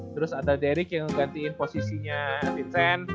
terus ada derick yang ngegantiin posisinya vincent